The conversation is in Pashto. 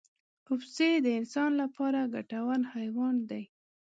وزې د انسان لپاره ګټور حیوان دی